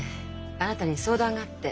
あなたに相談があって。